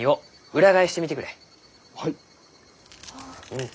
うん。